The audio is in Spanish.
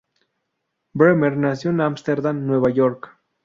Bremer nació en Amsterdam, Nueva York.